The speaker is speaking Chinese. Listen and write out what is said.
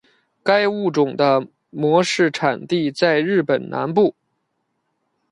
该物种的模式产地在日本南部。